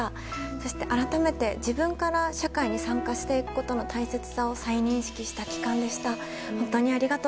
そして改めて自分から社会に参加していくことの大切さを再認識した期間でした。